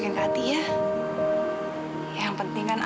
aku juga bisa berhubung dengan kamu